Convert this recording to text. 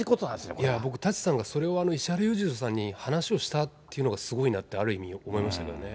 いや、僕、舘さんはそれはね、石原裕次郎さんに話をしたというのがすごいなって、ある意味思いましたね。